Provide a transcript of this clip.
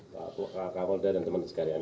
pak kapolda dan teman sekalian